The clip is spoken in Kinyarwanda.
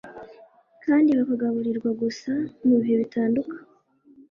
kandi bakagaburirwa gusa mu bihe bidahinduka